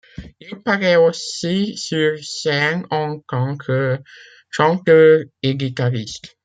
Il paraît aussi sur scène en tant que chanteur et guitariste.